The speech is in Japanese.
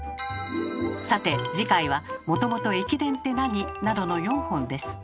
さて次回は「もともと駅伝ってなに？」などの４本です。